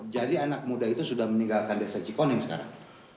jadi anak muda itu sudah meninggalkan desa cik koneng sekarang